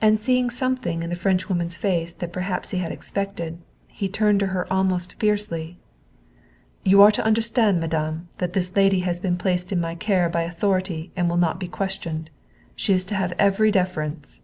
And seeing something in the Frenchwoman's face that perhaps he had expected, he turned to her almost fiercely: "You are to understand, madame, that this lady has been placed in my care by authority that will not be questioned. She is to have every deference."